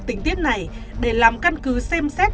tính tiết này để làm căn cứ xem xét